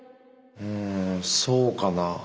うんそうかな。